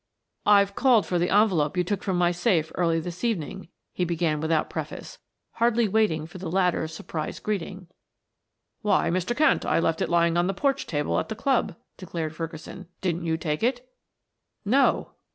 "I've called for the envelope you took from my safe early this evening," he began without preface, hardly waiting for the latter's surprised greeting. "Why, Mr. Kent, I left it lying on the porch table at the club," declared Ferguson. "Didn't you take it?" "No."